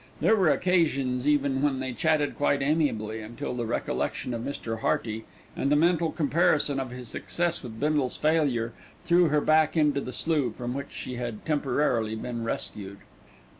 There were occasions even when they chatted quite amiably, until the recollection of Mr. Hearty, and the mental comparison of his success with Bindle's failure, threw her back into the slough from which she had temporarily been rescued.